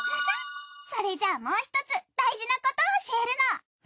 それじゃあもう１つ大事なことを教えるの。